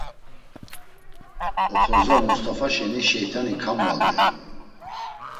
Oxorza, Must̆afa şeni şeyt̆ani kamvalu, ya.